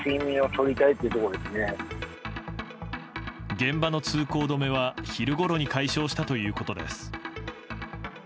現場の通行止めは昼ごろに解消したということです。